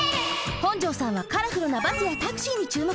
本城さんはカラフルなバスやタクシーに注目。